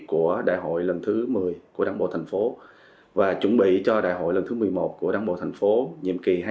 xin chào quý vị và các bạn